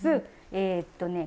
えっとね